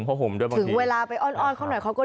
ถึงเวลาไปอ้อนเขาหน่อย